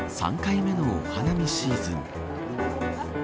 ３回目のお花見シーズン。